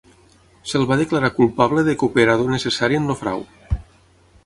Se’l va declarar culpable de cooperador necessari en el frau.